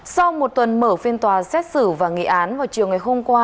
sau một tuần mở phiên tòa xét xử và nghị án vào chiều ngày hôm qua